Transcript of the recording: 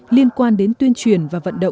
liên quan đến tuyên truyền và vận động